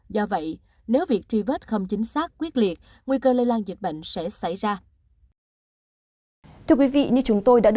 do vậy nếu việc truy vết không chính xác quyết liệt nguy cơ lây lan dịch bệnh sẽ xảy ra